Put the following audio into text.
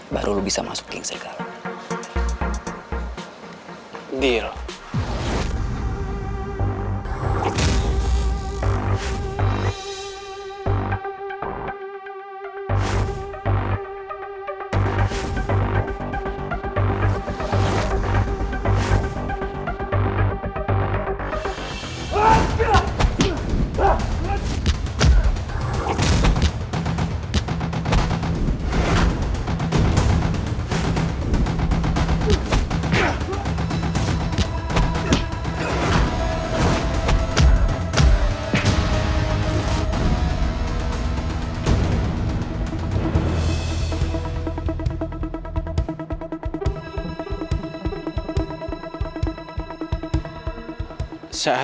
baru lo bisa masuk geng serigala